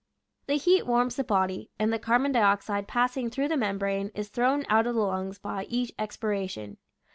The heat warms the body, and the carbon dioxide, passing through the membrane, is thrown out of the lungs by each expiration.